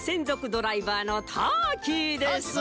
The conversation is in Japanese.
ドライバーのターキーです。